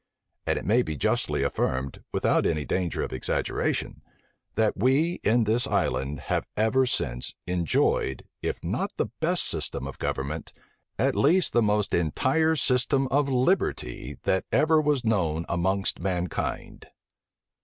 And it may justly be affirmed, without any danger of exaggeration, that we in this island have ever since enjoyed, if not the best system of government, at least the most entire system of liberty, that ever was known amongst mankind.